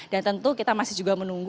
dan tentu kita masih juga menunggu